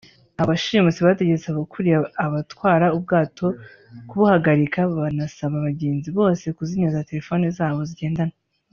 abo bashimusi bategetse ukuriye abatwara ubwato (capitaine) kubuhagarika banasaba abagenzi bose kuzimya za telefone zabo zigendanwa